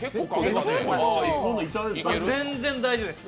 全然大丈夫です。